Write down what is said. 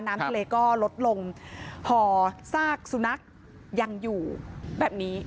น้ำทะเลก็ลดลงห่อซากสุนัขยังอยู่แบบนี้